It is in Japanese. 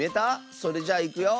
それじゃいくよ。